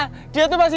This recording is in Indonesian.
lainnya kenapa anakku